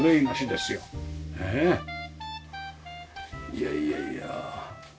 いやいやいや。